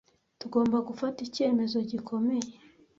Tugomba gufata icyemezo gikomeye.